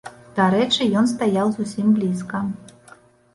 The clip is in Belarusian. Дарэчы, ён стаяў зусім блізка.